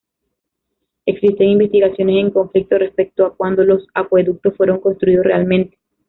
Existen investigaciones en conflicto respecto a cuándo los acueductos fueron construidos realmente.